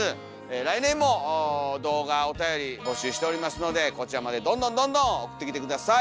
来年も動画おたより募集しておりますのでこちらまでどんどんどんどん送ってきて下さい。